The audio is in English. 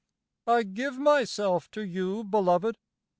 I give myself to you, Beloved!